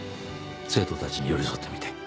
生徒たちに寄り添ってみて。